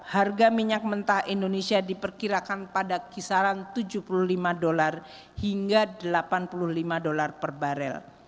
harga minyak mentah indonesia diperkirakan pada kisaran tujuh puluh lima dolar hingga delapan puluh lima dolar per barel